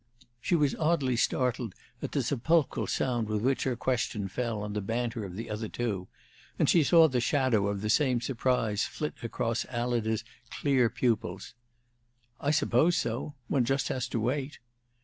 '" She was oddly startled at the sepulchral sound with which her question fell on the banter of the other two, and she saw the shadow of the same surprise flit across Alida's clear pupils. "I suppose so. One just has to wait."